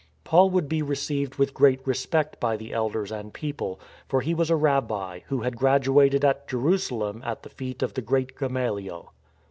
^ Paul would be received with great respect by the elders and people, for he was a Rabbi who had gradu ated at Jerusalem at the feet of the great Gamaliel.